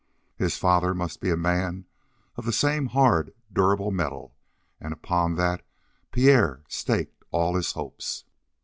His father must be a man of the same hard durable metal, and upon that Pierre staked all his hopes.